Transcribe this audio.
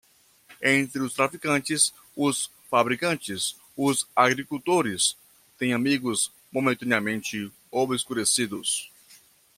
Entre os traficantes, os fabricantes, os agricultores, têm amigos momentaneamente obscurecidos.